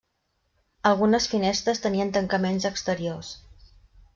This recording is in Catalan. Algunes finestres tenien tancaments exteriors.